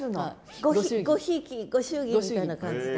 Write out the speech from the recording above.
ごひいきご祝儀みたいな感じで？